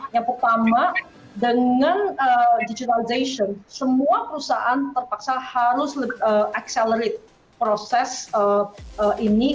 yang pertama dengan digitalization semua perusahaan terpaksa harus accelerate proses ini